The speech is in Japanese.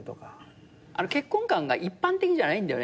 結婚観が一般的じゃないんだよね